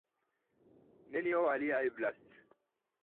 Nenio alia eblas.